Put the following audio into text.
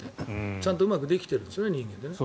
ちゃんとうまくできてるんですよね人間って。